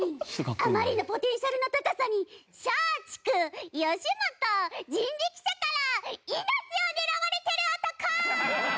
あまりのポテンシャルの高さに松竹吉本人力舎から命を狙われてる男！